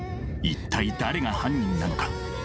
一体誰が犯人なのか。